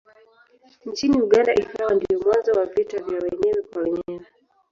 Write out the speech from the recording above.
Nchini Uganda ikawa ndiyo mwanzo wa vita vya wenyewe kwa wenyewe.